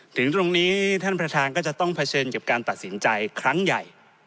ถึงตรงนี้ท่านประธานก็จะต้องเผชิญกับการตัดสินใจครั้งใหญ่